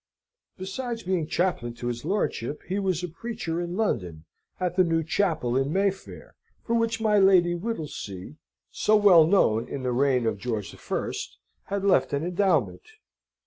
Besides being chaplain to his lordship, he was a preacher in London, at the new chapel in Mayfair, for which my Lady Whittlesea (so well known in the reign of George I.) had left an endowment.